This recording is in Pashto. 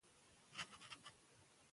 موږ سند ولېږه.